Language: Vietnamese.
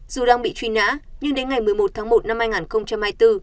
dù đang bị truy nã nhưng đến ngày một mươi một tháng một năm hai nghìn hai mươi bốn